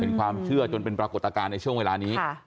เป็นความเชื่อจนเป็นปรากฏการณ์ในช่วงเวลานี้